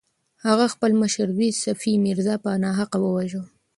هغه خپل مشر زوی صفي میرزا په ناحقه وواژه.